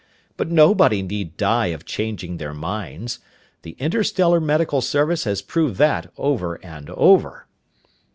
But nobody need die of changing their minds. The Interstellar Medical Service has proved that over and over!"